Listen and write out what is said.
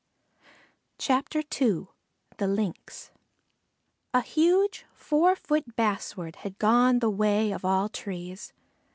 II THE LYNX A huge four foot basswood had gone the way of all trees.